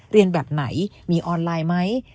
เรียนแบบไหนมีออนไลน์ไหม